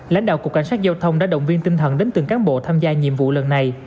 lãnh đạo cục cảnh sát giao thông đã động viên tinh thần đến từng cán bộ tham gia nhiệm vụ lần này